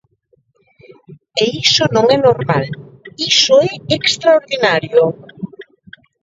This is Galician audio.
E iso non é normal, iso é extraordinario.